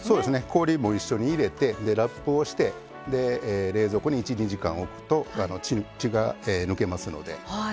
氷も一緒に入れてラップをして冷蔵庫に１２時間おくと血が抜けますので。